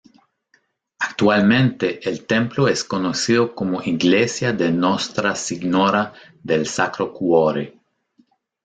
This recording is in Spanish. Actualmente el templo es conocido como Iglesia de Nostra Signora del Sacro Cuore.